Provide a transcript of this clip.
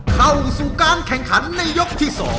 เข้าสู่การแข่งขันในยกที่๒